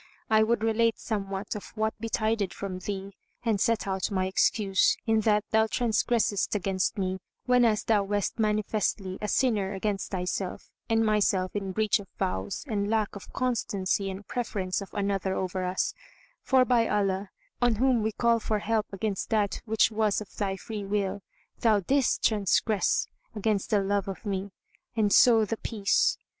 I would relate somewhat of what betided from thee and set out my excuse, in that thou transgressedst against me, whenas thou wast manifestly a sinner against thyself and myself in breach of vows and lack of constancy and preference of another over us; for, by Allah, on whom we call for help against that which was of thy free will, thou didst transgress against the love of me; and so The Peace!"